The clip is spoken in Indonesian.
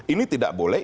ini tidak boleh